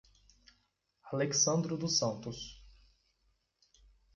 Alexsandro dos Santos